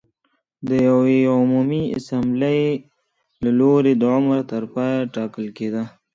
د یوې عمومي اسامبلې له لوري د عمر تر پایه ټاکل کېده